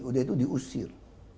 udah itu diusir